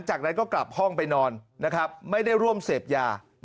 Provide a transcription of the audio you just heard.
จากนั้นก็กลับห้องไปนอนนะครับไม่ได้ร่วมเสพยา